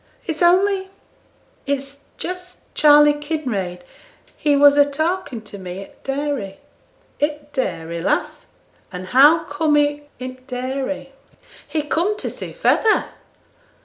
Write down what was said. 'It's only it's just Charley Kinraid; he was a talking to me i' t' dairy.' 'I' t' dairy, lass! and how com'd he i' t' dairy?' 'He com'd to see feyther.